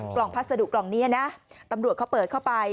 กล่องพัสดุกล่องนี้นะตำรวจเขาเปิดเข้าไป